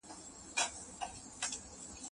زه به مځکي ته کتلې وي،